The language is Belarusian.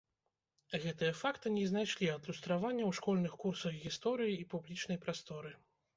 Гэтыя факты не знайшлі адлюстравання ў школьных курсах гісторыі і публічнай прасторы.